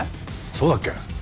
そうだっけ？